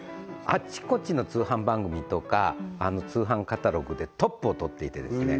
あちこちの通販番組とか通販カタログでトップをとっていてですね